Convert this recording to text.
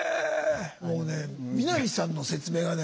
もうね南さんの説明がね